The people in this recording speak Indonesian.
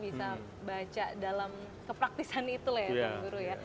bisa baca dalam kepraktisan itu ya tuan guru ya